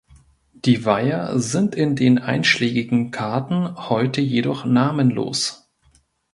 Die Weiher sind in den einschlägigen Karten heute jedoch namenlos.